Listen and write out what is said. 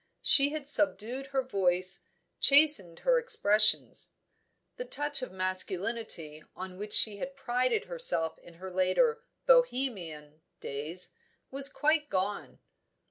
She had subdued her voice, chastened her expressions. The touch of masculinity on which she had prided herself in her later "Bohemian" days, was quite gone.